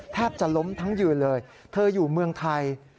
แทบจะล้มทั้งยืนเลยเธออยู่เมืองไทย